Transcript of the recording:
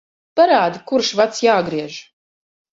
Parādi, kurš vads jāgriež.